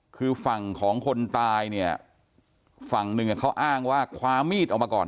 คือฝั่งของคนตายเนี่ยฝั่งหนึ่งเขาอ้างว่าคว้ามีดออกมาก่อน